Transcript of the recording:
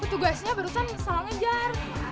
petugasnya barusan salah ngejar